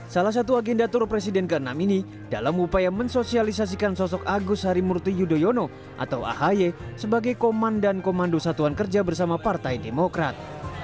salah satu agenda tur presiden ke enam ini dalam upaya mensosialisasikan sosok agus harimurti yudhoyono atau ahy sebagai komandan komando satuan kerja bersama partai demokrat